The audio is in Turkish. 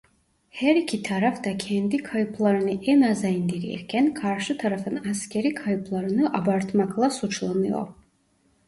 Her iki taraf da kendi kayıplarını en aza indirirken karşı tarafın askerî kayıplarını abartmakla suçlanıyor.